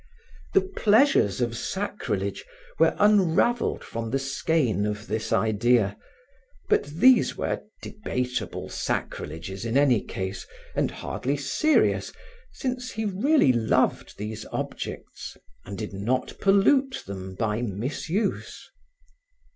The pleasures of sacrilege were unravelled from the skein of this idea, but these were debatable sacrileges, in any case, and hardly serious, since he really loved these objects and did not pollute them by misuse.